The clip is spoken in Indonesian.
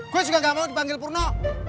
gue juga gak mau dipanggil purno